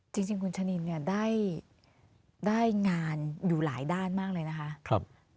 จริงจริงคุณชะนินเนี้ยได้ได้งานอยู่หลายด้านมากเลยนะคะครับ